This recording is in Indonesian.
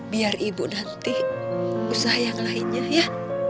biar ibu nanti usaha yang lainnya ya